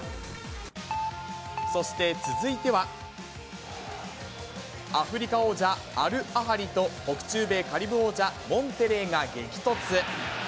そして続いては、アフリカ王者アルアハリと北中米カリブ王者モンテレイが激突。